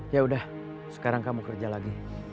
yaudah sekarang kamu kerja lagi